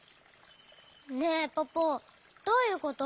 ねえポポどういうこと？